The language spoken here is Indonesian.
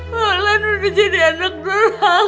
bulan udah jadi anak dorong